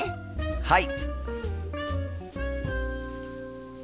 はい！